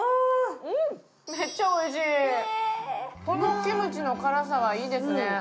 このキムチの辛さがいいですね。